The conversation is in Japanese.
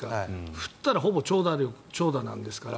振ったらほぼ長打なんですから。